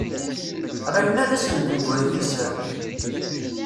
Γilen ad asen-d-yegri liser.